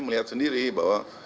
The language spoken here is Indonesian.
melihat sendiri bahwa